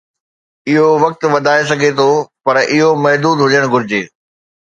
اهو وقت وڌائي سگهجي ٿو" پر اهو محدود هجڻ گهرجي.